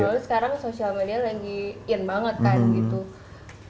lalu sekarang social media lagi in banget kan gitu